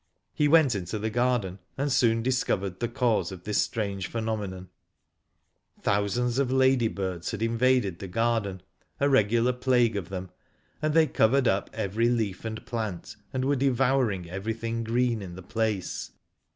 He went into the garden and soon discovered the cause of this strange phenomenon. Thousands of ladybirds had invaded the garden, a regular plague of them, and they covered up every leaf and plant, and were devouring everything green in the place.